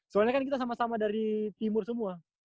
soalnya kan kita sama sama dari timur semua